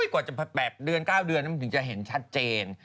กว่าจะ๘เดือน๙เดือนมันถึงจะเห็นชัดเจน